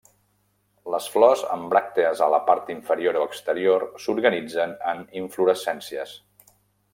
Les flors amb bràctees a la part inferior o exterior s’organitzen en inflorescències.